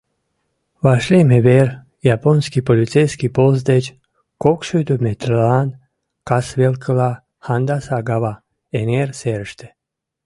Вашлийме вер — японский полицейский пост деч кокшӱдӧ метрлан касвелкыла, Хандаса-Гава эҥер серыште.